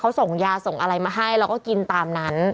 เขาส่งยาส่งอะไรมาให้แล้วก็กินตามนั้น